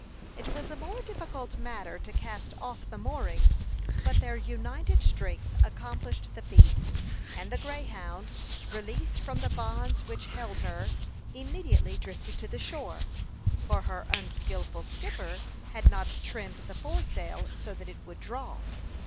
It was a more difficult matter to cast off the moorings, but their united strength accomplished the feat, and the Greyhound, released from the bonds which held her, immediately drifted to the shore, for her unskilful skipper had not trimmed the foresail so that it would draw.